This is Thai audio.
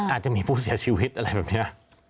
อาจจะมีผู้เสียชีวิตอะไรแบบนี้